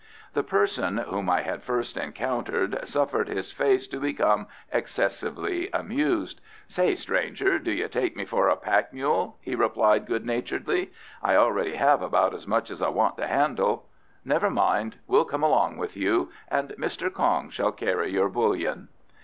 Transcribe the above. The person whom I had first encountered suffered his face to become excessively amused. "Say, stranger, do you take me for a pack mule?" he replied good naturedly. "I already have about as much as I want to handle. Never mind; we'll come along with you, and Mr. Kong shall carry your bullion."